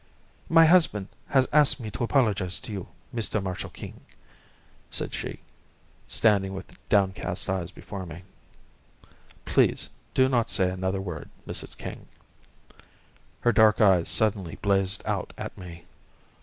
"My husband has asked me to apologize to you, Mr. Marshall King," said she, standing with downcast eyes before me. "Please do not say another word, Mrs. King." Her dark eyes suddenly blazed out at me.